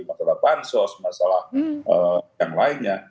masalah bansos masalah yang lainnya